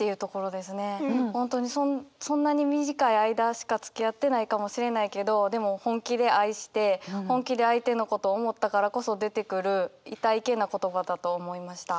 本当にそんなに短い間しかつきあってないかもしれないけどでも本気で愛して本気で相手のことを思ったからこそ出てくるいたいけな言葉だと思いました。